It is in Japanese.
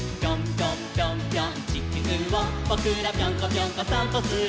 「ぼくらぴょんこぴょんこさんぽする」